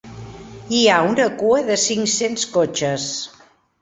Hi ha una cua de cinc-cents cotxes.